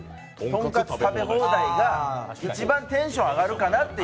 トンカツ食べ放題が一番テンション上がるかなっていう。